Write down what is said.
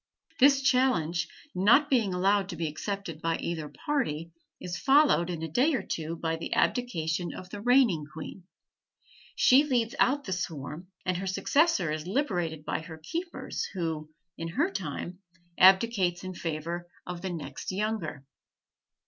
This challenge, not being allowed to be accepted by either party, is followed, in a day or two by the abdication of the reigning queen; she leads out the swarm, and her successor is liberated by her keepers, who, in her time, abdicates in favor of the next younger.